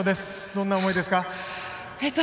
どんな思いですか？